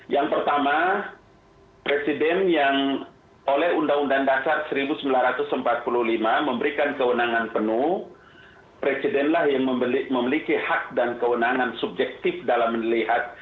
yang pertama presiden yang oleh undang undang dasar seribu sembilan ratus empat puluh lima memberikan kewenangan penuh presidenlah yang memiliki hak dan kewenangan subjektif dalam melihat